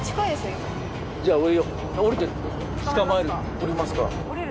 降りますか。